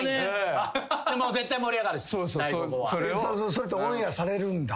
それってオンエアされるんだ？